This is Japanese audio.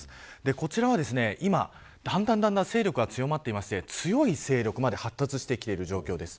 こちらは今だんだん勢力が強まっていて強い勢力まで発達してきている状況です。